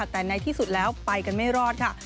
แต่ในที่สุดแล้วไปกันไม่รอดค่ะ